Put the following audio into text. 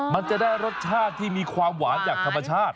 มันจะได้รสชาติที่มีความหวานจากธรรมชาติ